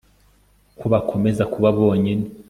ko bakomeza kuba bonyine